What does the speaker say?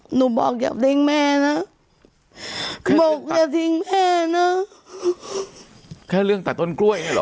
หนูบอกอย่าทิ้งแม่นะบอกอย่าทิ้งแม่นะแค่เรื่องตัดต้นกล้วยเนี่ยเหรอ